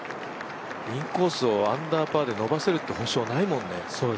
インコースをアンダーパーで伸ばせるという保証はないもんね。